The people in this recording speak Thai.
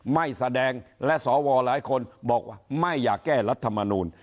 ไม่แสดงและสวหลายคนบอกว่าไม่อยากแก้รัฐมนูล